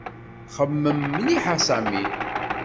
Xemmem mliḥ a Sami.